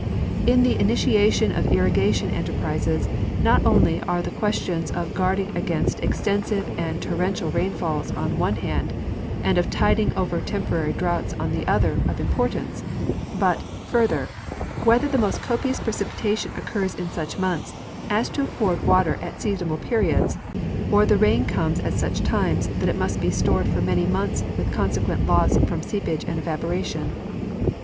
In the initiation of irrigation enterprises not only are the questions of guarding against extensive and torrential rainfalls on one hand and of tiding over temporary droughts on the other of importance, but, further, whether the most copious precipitation occurs in such months as to afford water at seasonable periods, or the rain comes at such times that it must be stored for many months with consequent loss from seepage and evaporation.